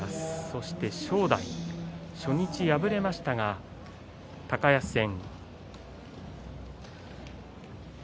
そして正代、初日敗れましたが高安戦。